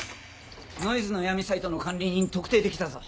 ノイズの闇サイトの管理人特定できたぞ。